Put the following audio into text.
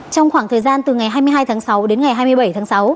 trong khoảng thời gian từ ngày hai mươi hai tháng sáu đến ngày hai mươi bảy tháng sáu